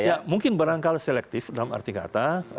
ya mungkin barangkali selektif dalam arti kata